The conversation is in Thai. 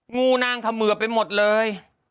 งูนางกำเงิบไปหมดเลย